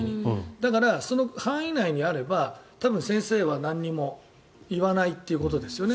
だから、その範囲内にあれば多分先生は何も言わないということですよね。